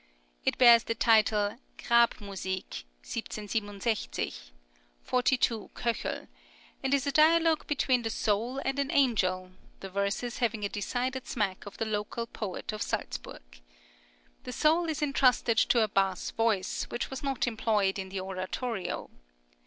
It bears the title "Grab Musik, 1767" (42 K.), and is a dialogue between the Soul and an Angel, the verses having a decided smack of the local poet of Salzburg. The Soul is intrusted to a bass voice, which was not employed in the oratorio.